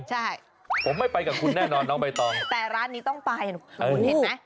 ใช่ผมไม่ไปกับคุณแน่นอนน้องใบตองแต่ร้านนี้ต้องไปคุณเห็นไหม